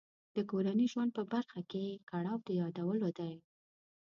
د کورني ژوند په برخه کې یې کړاو د یادولو دی.